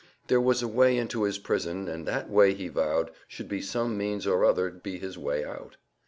There was a way into his prison, and that way, he vowed, should by some means or other be his way out.